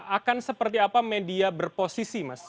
akan seperti apa media berposisi mas